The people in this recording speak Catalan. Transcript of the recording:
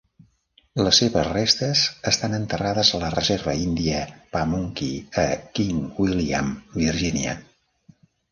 Les seves restes estan enterrades a la reserva índia Pamunkey a King William, Virgínia.